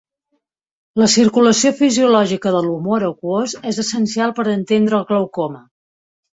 La circulació fisiològica de l'humor aquós és essencial per entendre el glaucoma.